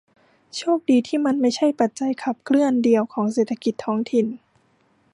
โชคดีที่มันไม่ใช่ปัจจัยขับเคลื่อนเดียวของเศรษฐกิจท้องถิ่น